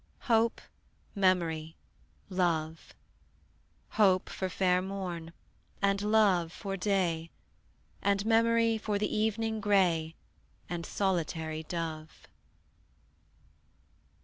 Hope, memory, love: Hope for fair morn, and love for day, And memory for the evening gray And solitary dove.